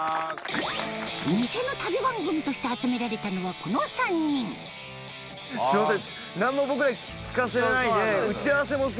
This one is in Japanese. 偽の旅番組として集められたのはこの３人すいません。